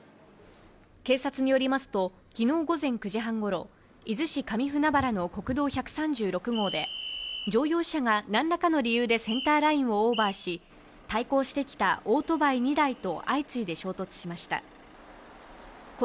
警察によりますと昨日午前９時半頃、伊豆市上船原の国道１３６号で、乗用車が何らかの理由でセンターラインをオーバーし、対向してきたオートバイ２台と相次いで衝突しました。